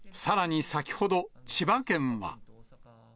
さらに先ほど、千葉県は。